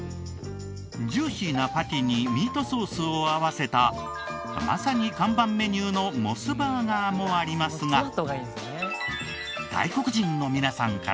ジューシーなパティにミートソースを合わせたまさに看板メニューのモスバーガーもありますが。